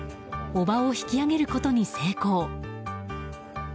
おばを引き上げることに成功。